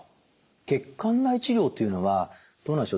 血管内治療というのはどうなんでしょう？